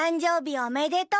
おめでとう！